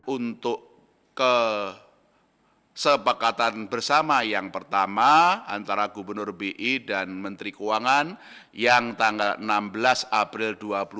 untuk kesepakatan bersama yang pertama antara gubernur bi dan menteri keuangan yang tanggal enam belas april dua ribu dua puluh